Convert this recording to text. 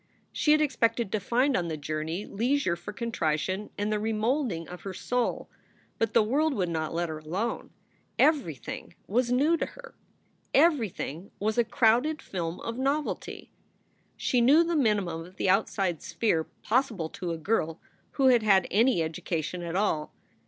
She had expected to find on the journey leisure for con trition and the remolding of her soul. But the world would not let her alone. Everything was new to her. Everything was a crowded film of novelty. She knew the minimum of the outside sphere possible to a girl who had had any education at all.